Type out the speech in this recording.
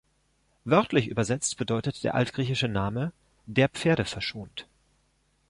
Wörtlich übersetzt bedeutet der altgriechische Name „der Pferde verschont“.